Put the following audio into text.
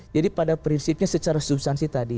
jadi pada prinsipnya secara subsansi tadi